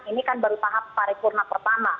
ini kan baru tahap paripurna pertama